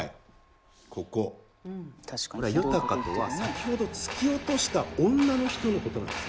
「夜鷹」とは先ほど突き落とした女の人のことなんです。